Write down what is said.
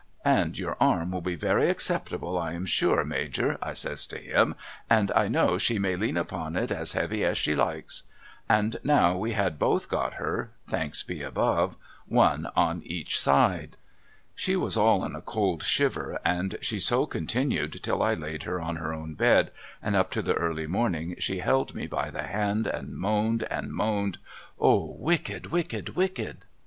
— And your arm will be very acceptable I am sure Major ' I says to him * and I know she may lean upon it as heavy as she likes.' And now wc had both got her — thanks be Above !— one on each side. t^ci^. ^^6iiMiei ci ^eaatna'C A LITTLE PLAN CONCOCTED 339 She was all in a cold shiver and she so continued till I laid her on her own bed, and up to the early morning she held me by the hand and moaned and moaned ' O wicked, wicked, wicked